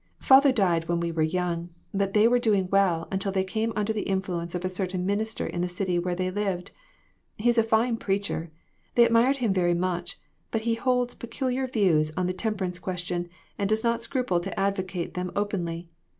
Father died when they were young, but they were doing well until they came under the influence of a certain minister in the city where they lived. He is a fine preacher. They admired him very much, but he holds peculiar views on the temperance question and does not scruple to advocate them openly.